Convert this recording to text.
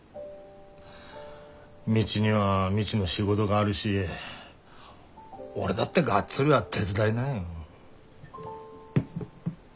未知には未知の仕事があるし俺だってがっつりは手伝えない。